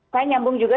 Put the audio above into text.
saya nyambung juga